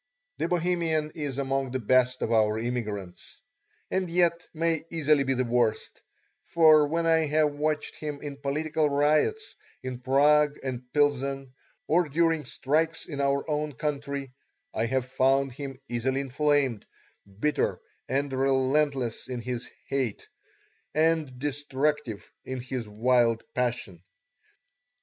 The Bohemian is among the best of our immigrants, and yet may easily be the worst, for when I have watched him in political riots in Prague and Pilsen, or during strikes in our own country I have found him easily inflamed, bitter and relentless in his hate, and destructive in his wild passion.